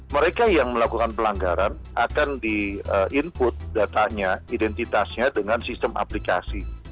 mereka yang melakukan pelanggaran akan di input datanya identitasnya dengan sistem aplikasi